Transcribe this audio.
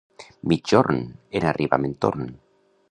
Migjorn! En arribar me'n torn.